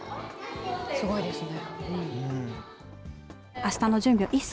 すごいですね。